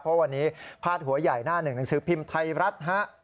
เพราะวันนี้พาดหัวใหญ่หน้าหนึ่งหนังสือพิมพ์ไทยรัฐฮะ